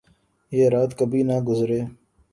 یہ رات کبھی نہ گزرے